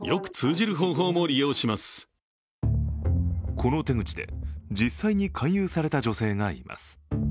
この手口で実際に勧誘された女性がいます。